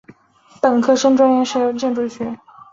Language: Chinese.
本科生专业设有建筑学。